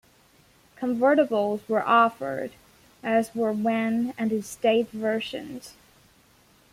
Convertibles were offered, as were van and estate versions.